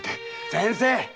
・先生！